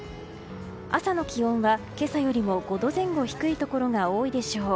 朝の気温は今朝よりも５度前後低いところが多いでしょう。